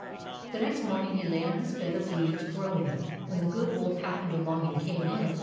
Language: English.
The next morning he lay on his bed of leaves groaning, when the Good Wolf happened along, and came in.